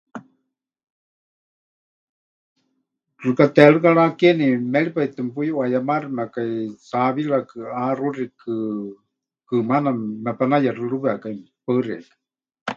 Xɨka teerɨka rakeeni méripai tɨ mepuyuʼuayemáximekai sábilakɨ, ʼáxuxikɨ, kɨmaana mepanayexɨrɨwekai. Paɨ xeikɨ́a.